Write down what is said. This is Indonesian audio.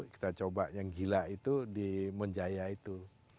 kita coba yang gila itu di monjaya itu